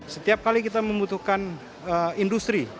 setiap kali kita membutuhkan industri